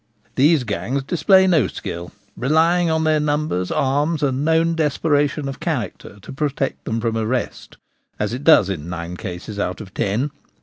These gangs display no skill; relying on their numbers, arms, and known desperation of character to protect them from arrest, as it does in nine cases out of ten.